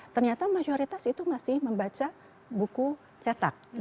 ternyata mayoritas itu masih membaca buku cetak